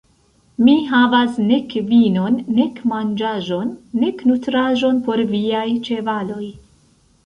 Mi havas nek vinon, nek manĝaĵon, nek nutraĵon por viaj ĉevaloj.